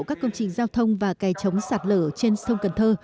các công trình giao thông và cài chống sạt lở trên sông cần thơ